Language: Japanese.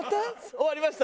「終わりました」